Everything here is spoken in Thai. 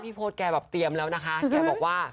พี่โพธแกแบบเตรียมแล้วนะคะ